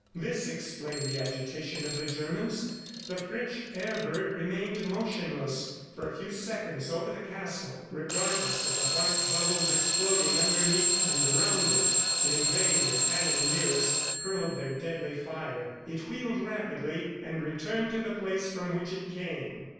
This explained the agitation of the Germans. The French air bird remained motionless for a few seconds over the castle, regardless of the white bubbles exploding underneath and around it. In vain the cannon nearest hurled their deadly fire. It wheeled rapidly, and returned to the place from which it came.